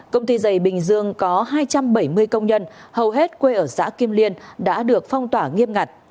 công ty dày bình dương có hai trăm bảy mươi công nhân hầu hết quê ở xã kim liên đã được phong tỏa nghiêm ngặt